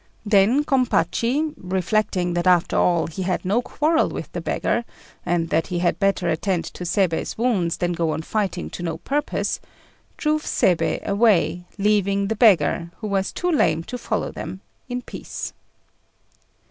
Then Gompachi, reflecting that after all he had no quarrel with the beggar, and that he had better attend to Seibei's wounds than go on fighting to no purpose, drew Seibei away, leaving the beggar, who was too lame to follow them, in peace.